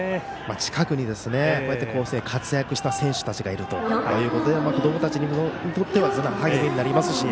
近くに活躍した選手たちがいるということで子どもたちにとっては励みになりますし